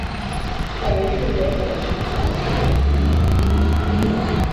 Segueixo el lema del príncep de Gal·les.